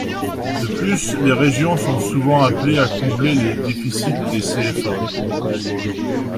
De plus, les régions sont souvent appelées à combler les déficits des CFA.